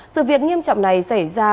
sự việc nghiêm trọng này xảy ra